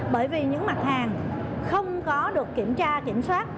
bởi vì những mặt hàng không có được kiểm tra kiểm soát